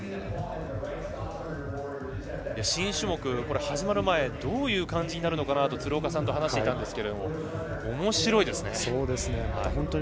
新種目、始まる前どういう感じになるのか鶴岡さんと話していたんですがおもしろいですね。